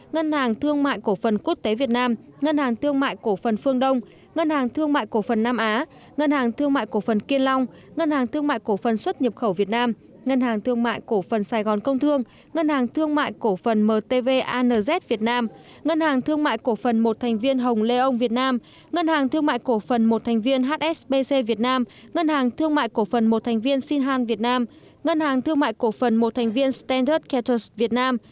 ngân hàng thương mại cổ phần quốc tế việt nam ngân hàng thương mại cổ phần phương đông ngân hàng thương mại cổ phần nam á ngân hàng thương mại cổ phần kiên long ngân hàng thương mại cổ phần xuất nhập khẩu việt nam ngân hàng thương mại cổ phần sài gòn công thương ngân hàng thương mại cổ phần mtv anz việt nam ngân hàng thương mại cổ phần một thành viên hồng lê ông việt nam ngân hàng thương mại cổ phần một thành viên hsbc việt nam ngân hàng thương mại cổ phần một thành viên sinh hang việt nam ngân hàng thương mại cổ phần một thành viên standard catalyst việt nam